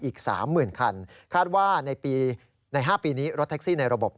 อีก๓๐๐๐คันคาดว่าใน๕ปีนี้รถแท็กซี่ในระบบ